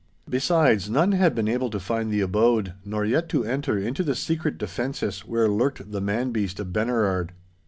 Besides, none had been able to find the abode, nor yet to enter into the secret defences where lurked the man beast of Benerard.